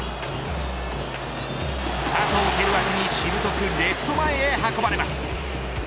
佐藤輝明にしぶとくレフト前へ運ばれます。